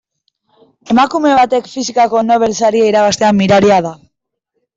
Emakume batek fisikako Nobel saria irabaztea miraria da.